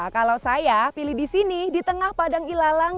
kalau saya pilih di sini di tengah padang ilalang